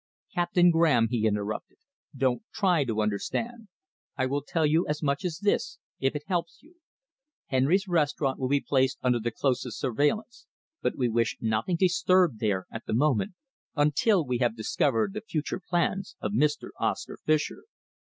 "Captain Graham," he interrupted, "don't try to understand. I will tell you as much as this, if it helps you. Henry's Restaurant will be placed under the closest surveillance, but we wish nothing disturbed there at the moment until we have discovered the future plans of Mr. Oscar Fischer."